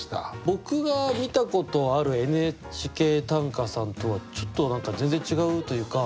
僕が見たことある「ＮＨＫ短歌」さんとはちょっと何か全然違うというか。